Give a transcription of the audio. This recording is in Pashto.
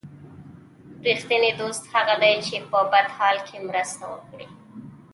رښتینی دوست هغه دی چې په بد حال کې مرسته وکړي.